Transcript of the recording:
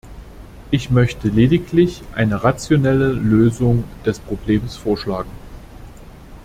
Ich möchte lediglich eine rationelle Lösung des Problems vorschlagen.